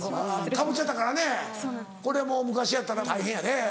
かぶっちゃったからねこれもう昔やったら大変やで。